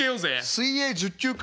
水泳１０級か。